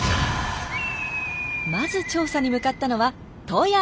まず調査に向かったのは富山！